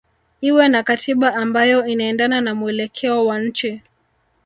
iwe na katiba ambayo inaendana na mwelekeo wa nchi